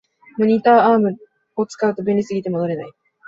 モニターアームを使うと便利すぎて戻れない